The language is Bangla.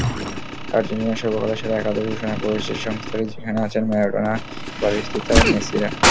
আর্জেন্টিনার সর্বকালের সেরা একাদশ ঘোষণা করেছে সংস্থাটি, যেখানে আছেন ম্যারাডোনা, বাতিস্তুতা, মেসিরা।